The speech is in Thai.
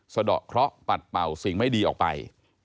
สะดอกเคราะห์ปัดเป่าสิ่งไม่ดีออกไป